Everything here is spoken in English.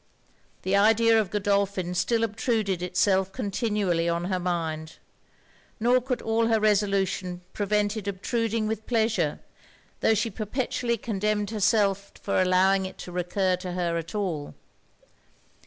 The idea of Godolphin still obtruded itself continually on her mind: nor could all her resolution prevent it's obtruding with pleasure, tho' she perpetually condemned herself for allowing it to recur to her at all.